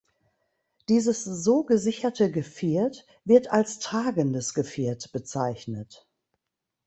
Dieses so gesicherte Geviert wird als tragendes Geviert bezeichnet.